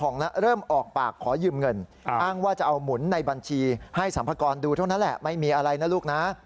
นั่นแหละไม่มีอะไรนะลูกนะ